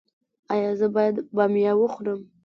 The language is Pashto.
ایا زه باید بامیه وخورم؟